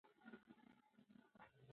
لرغونې قصیدې د طبیعت په ستاینه پیل کېږي.